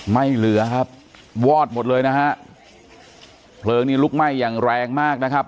ไม่เหลือครับวอดหมดเลยนะฮะเพลิงนี้ลุกไหม้อย่างแรงมากนะครับ